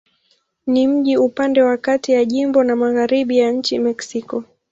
Ni mji upande wa kati ya jimbo na magharibi ya nchi Mexiko.